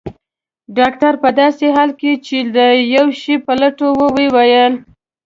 ډاکټر په داسې حال کې چي د یو شي په لټولو وو وویل.